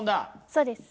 そうです。